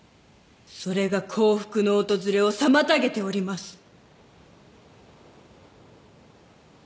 それが幸福の訪れを妨げております。